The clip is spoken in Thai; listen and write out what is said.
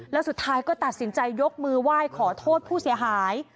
แล้วสุดท้ายก็ตัดสินใจยกมือไหว้ขอโทษผู้เสียหาย